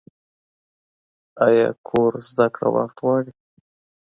ایا کور زده کړه وخت غواړي؟